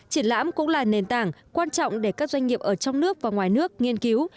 triển lãm cũng là nền tảng quan trọng để các doanh nghiệp ở trong nước và ngoài nước nghiên cứu